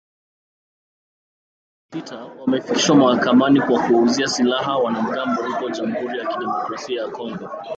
Watu kumi na sita wamefikishwa mahakamani kwa kuwauzia silaha wanamgambo huko jamuhuri ya kidemokrasaia ya Kongo